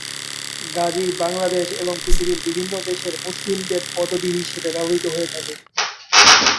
গাজী বাংলাদেশ এবং পৃথিবীর বিভিন্ন দেশের মুসলিমদের পদবি হিসেবে ব্যবহৃত হয়ে থাকে।